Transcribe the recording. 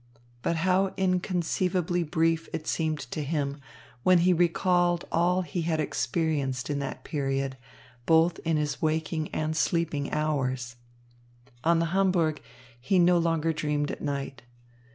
But how inconceivably brief it seemed to him when he recalled all he had experienced in that period, both in his waking and sleeping hours. On the Hamburg, he no longer dreamed at night.